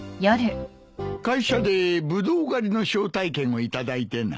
会社でブドウ狩りの招待券を頂いてな。